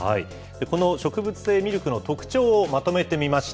この植物性ミルクの特徴をまとめてみました。